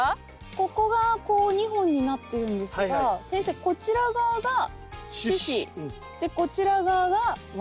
ここがこう２本になっているんですが先生こちら側が主枝でこちら側がわき芽ですよね。